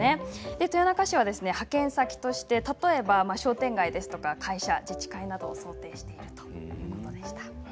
豊中市は、派遣先として例えば商店街ですとか会社自治会などを想定しているということなんです。